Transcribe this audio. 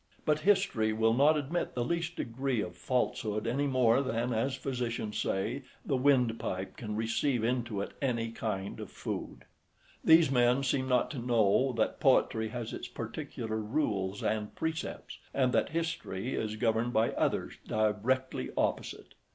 But history will not admit the least degree of falsehood any more than, as physicians say, the wind pipe {24b} can receive into it any kind of food. These men seem not to know that poetry has its particular rules and precepts; and that history is governed by others directly opposite.